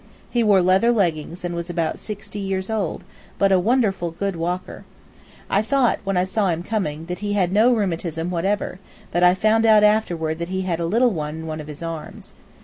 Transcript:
He wore leather leggings and was about sixty years old, but a wonderful good walker. I thought, when I saw him coming, that he had no rheumatism whatever, but I found out afterward that he had a little in one of his arms.